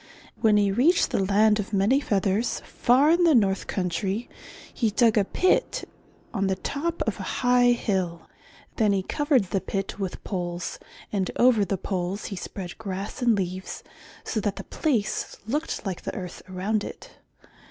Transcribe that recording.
When he reached the Land of Many Feathers far in the north country, he dug a pit on the top of a high hill. Then he covered the pit with poles and over the poles he spread grass and leaves so that the place looked like the earth around it.